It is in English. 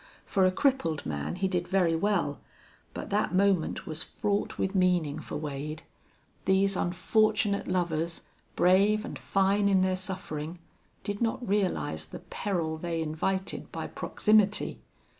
For a crippled man he did very well. But that moment was fraught with meaning for Wade. These unfortunate lovers, brave and fine in their suffering, did not realize the peril they invited by proximity.